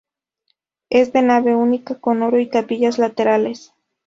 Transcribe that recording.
Es de nave única con coro y capillas laterales.